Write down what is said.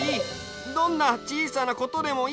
どんなちいさなことでもいい。